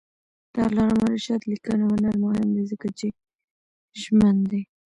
د علامه رشاد لیکنی هنر مهم دی ځکه چې ژمن دی.